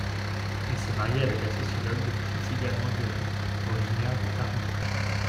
Il s'est marié avec la sociologue Cecilia Mendiola, originaire de Tarma.